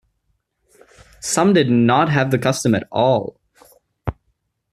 Some did not have the custom at all.